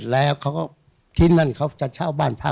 แล้วครั้งนั้นถ้าเราไม่ไป